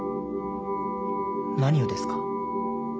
何をですか？